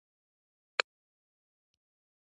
د ویزې اسانتیاوې سوداګرو ته شته